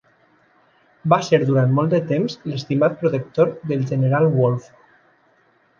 Va ser durant molt de temps l'estimat protector del general Wolfe.